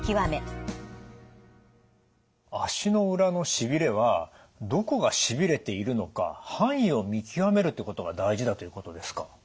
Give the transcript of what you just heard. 足の裏のしびれはどこがしびれているのか範囲を見極めるってことが大事だということですか？